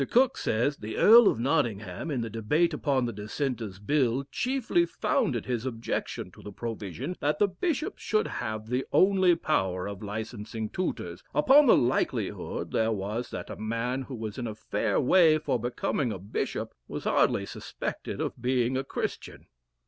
Cooke says, "The Earl of Nottingham, in the debate upon the Dissenters' Bill, chiefly founded his objection to the provision that the Bishops should have the only power of licensing tutors, upon the likelihood there was that a man who was in a fair way for becoming a Bishop, was hardly suspected of being a Christian."